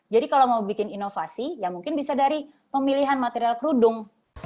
jadi kalau mau bikin inovasi ya mungkin bisa dari pemilihan material kerudung